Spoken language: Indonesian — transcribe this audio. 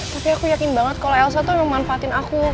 tapi aku yakin banget kalau elsa tuh memanfaatkan aku